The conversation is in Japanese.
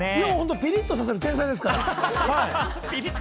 ピリッとさせる天才ですから。